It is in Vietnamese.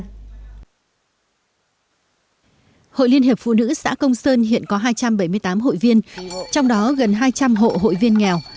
hội liên hiệp phụ nữ xã công sơn hiện có hai trăm bảy mươi tám hội viên trong đó gần hai trăm linh hộ hội viên nghèo